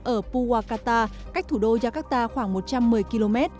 ở puwaka cách thủ đô jakarta khoảng một trăm một mươi km